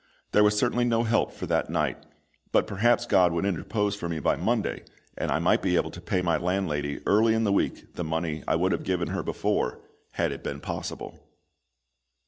There was certainly no help for that night; but perhaps GOD would interpose for me by Monday, and I might be able to pay my landlady early in the week the money I would have given her before, had it been possible.